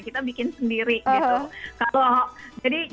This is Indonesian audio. kita bikin sendiri gitu